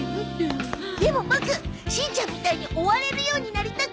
でもボクしんちゃんみたいに追われるようになりたくて。